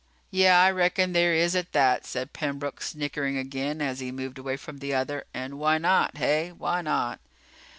"Yeah, I reckon there is at that," said Pembroke, snickering again as he moved away from the other. "And why not? Hey? Why not?"